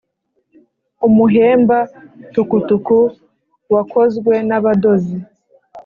umuhemba tukutuku, wakozwe n’abadozi,